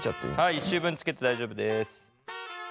はい１周分つけて大丈夫です。